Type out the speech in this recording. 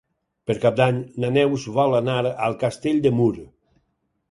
Per Cap d'Any na Neus vol anar a Castell de Mur.